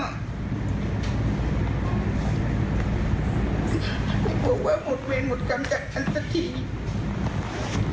บอกว่าหมดเวรหมดกรรมจากฉันสักที